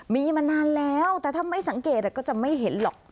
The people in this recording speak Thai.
มีมานานแล้วแต่ถ้าไม่สังเกตก็จะไม่เห็นหรอก